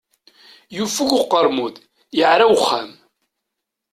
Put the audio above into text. Yufeg uqermud, yeɛra uxxam.